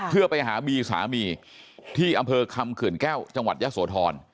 เพื่อไปหาบีสามีที่อำเภอคำเขื่อนแก้วจังหวัดยะโสธร